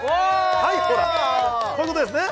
はいほらこういうことですね